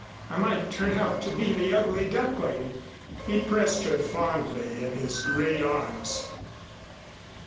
I might turn out to be the ugly duckling." He pressed her fondly in his great arms.